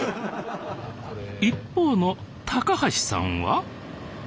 一方の高橋さんは？